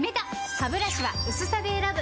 ハブラシは薄さで選ぶ！